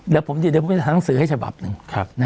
เดี๋ยวผมจะสนับสื่อให้ฉบับนึง